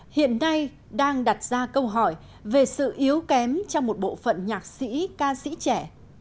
hiện nay đang đặt ra câu hỏi về sự yếu kém trong một bộ phận nhạc sĩ ca sĩ trẻ